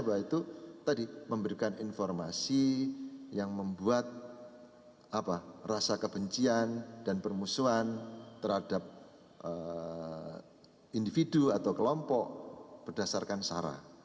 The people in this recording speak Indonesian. yaitu tadi memberikan informasi yang membuat rasa kebencian dan permusuhan terhadap individu atau kelompok berdasarkan sara